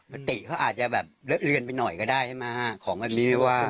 สติเขาอาจจะแบบเลอะเลือนไปหน่อยก็ได้ใช่ไหมของแบบนี้ว่า